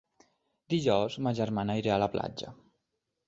Dijous ma germana irà a la platja.